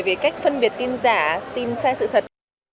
về cách phân biệt tin giả tin sai sự thật